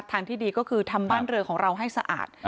ทางที่ดีก็คือทำบ้านเรือของเราให้สะอาด